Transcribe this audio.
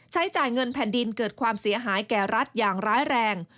ใช้จ่ายเงินแผ่นดินเกิดความเสียหายแก่รัฐอย่างร้ายแรง